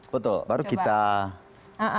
betul baru kita cocokan